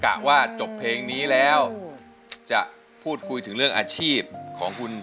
กะว่าจบเพลงนี้แล้วจะพูดคุยถึงเรื่องอาชีพของคุณ